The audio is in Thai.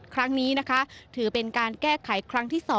ครั้งนี้นะคะถือเป็นการแก้ไขครั้งที่๒